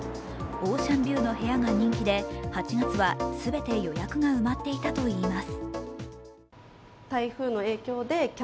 オーシャンビューの部屋が人気で８月は全て予約が埋まっていたといいます。